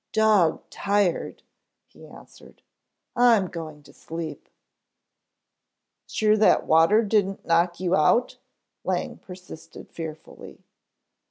"Dog tired," he answered. "I'm going to sleep." "Sure that water didn't knock you out?" Lang persisted fearfully.